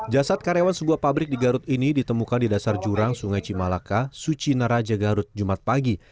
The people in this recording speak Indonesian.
jasad karyawan sebuah pabrik di garut ini ditemukan di dasar jurang sungai cimalaka suci naraja garut jumat pagi